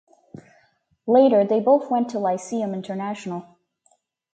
Later they both went to Lyceum International.